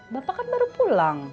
bapak kan baru pulang